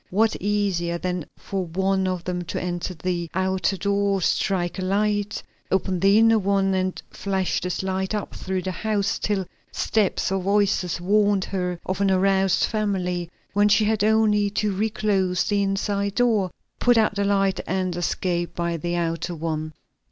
What easier than for one of them to enter the outer door, strike a light, open the inner one and flash this light up through the house till steps or voices warned her of an aroused family, when she had only to reclose the inside door, put out the light and escape by the outer one.